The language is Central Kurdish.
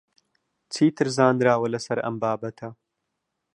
چیتر زانراوە لەسەر ئەم بابەتە؟